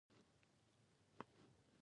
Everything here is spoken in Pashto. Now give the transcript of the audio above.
• باران د باغونو ښکلا ډېروي.